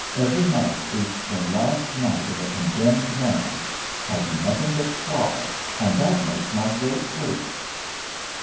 Every night is the last night of a condemned man. I do nothing but cry, and that makes my throat worse."